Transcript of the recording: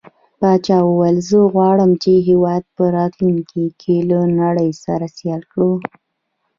پاچا وويل: زه غواړم چې هيواد په راتلونکي کې له نړۍ سره سيال کړو.